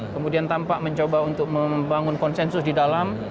kemudian tampak mencoba untuk membangun konsensus di dalam